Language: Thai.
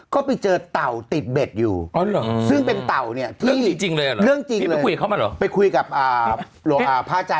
ก็ไปเจอเต่าติดเบ็ดอยู่ซึ่งเป็นเต่าเนี่ยที่เรื่องจริงเลยหรอ